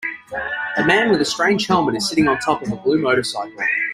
A man with a strange helmet is sitting on top of a blue motorcycle.